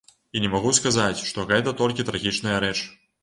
І не магу сказаць, што гэта толькі трагічная рэч.